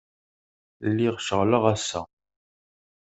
Lliɣ ceɣleɣ ass-a.